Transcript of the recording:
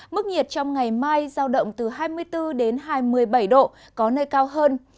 mức nhiệt trong ngày mai giao động từ hai mươi bốn đến hai mươi bảy độ có nơi cao hơn